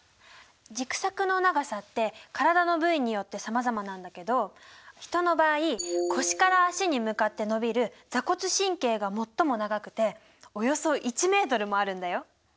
軸索の長さって体の部位によってさまざまなんだけどヒトの場合腰から脚に向かって伸びる坐骨神経が最も長くておよそ１ｍもあるんだよ。